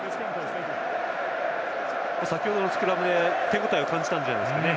先程のスクラムで手応えを感じたんじゃないですかね。